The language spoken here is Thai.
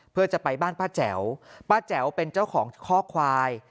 เพื่อจะไปบ้านป้าแจ๋วป้าแจ๋วเป็นเจ้าของข้อควาย